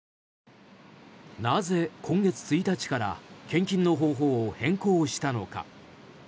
なぜ、今月１日から献金の方法を変更したのか。